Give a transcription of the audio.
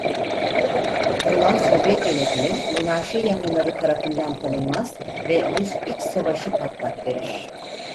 Kurulan Sovyet yönetimi monarşi yanlıları tarafından tanınmaz ve Rus İç Savaşı patlak verir.